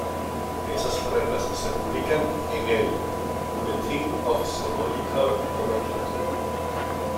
Esas reglas se publican en el "Bulletin of Zoological Nomenclature".